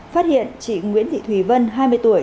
phát hiện chị nguyễn thị thùy vân hai mươi tuổi